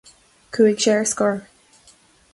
Chuaigh sé ar scor.